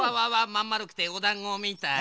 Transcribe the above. まんまるくておだんごみたい。